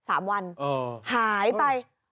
สามวันหายไปเออ